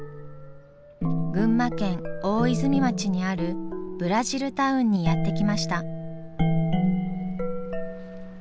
群馬県大泉町にあるブラジルタウンにやって来ました。